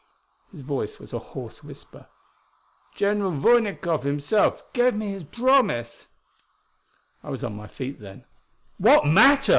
His voice was a hoarse whisper. "General Vornikoff himself gave me his promise!" I was on my feet, then. "What matter?"